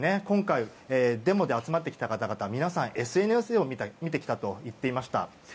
今回、デモで集まってきた方々は皆さん、ＳＮＳを見てきたと言っていました。